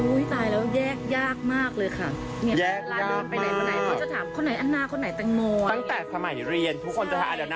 ตายแล้วแยกยากมากเลยค่ะ